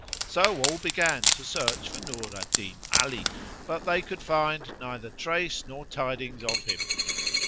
So all began to search for Nur al Din Ali, but they could find neither trace nor tidings of him.